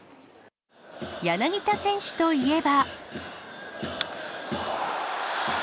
柳田選手といえば。